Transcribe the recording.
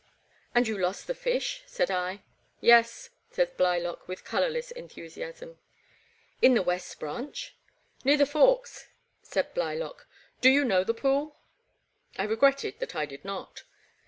And you lost the fish ?said I. Yes/' said Blylock, with colourless enthusi asm. "In the West Branch?'' *' Near the Forks," said Blylock. *' Do you know the pool ?" I regretted that I did not.